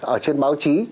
ở trên báo chí